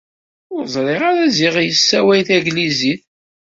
Ur ẓriɣ ara ziɣ yessawal tanglizit.